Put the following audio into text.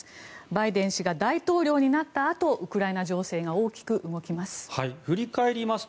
バイデン氏が大統領になったあとウクライナ情勢が大きく動きます。